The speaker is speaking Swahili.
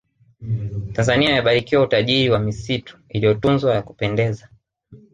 tanzania imebarikiwa utajiri wa misitu iliyotunzwa ya kupendeza